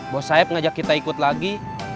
bos saeb ngajak kita ikut lagi